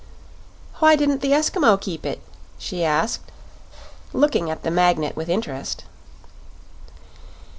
"Why didn't the Eskimo keep it?" she asked, looking at the Magnet with interest.